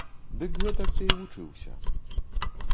Дык гэтак ты і вучыўся.